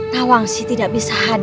nawangsi tidak bisa berhenti